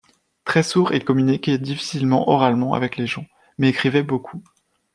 Très sourd il communiquait difficilement oralement avec les gens, mais écrivait beaucoup.